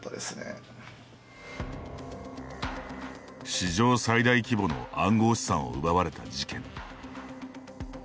史上最大規模の暗号資産を奪われた事件。